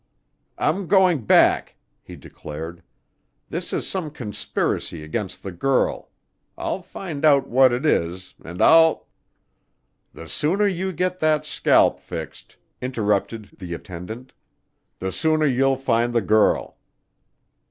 "I'm going back," he declared. "This is some conspiracy against the girl. I'll find out what it is and I'll " "The sooner you get that scalp fixed," interrupted the attendant, "the sooner you'll find the girl."